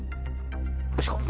よしいこう！